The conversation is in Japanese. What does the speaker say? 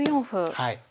はい。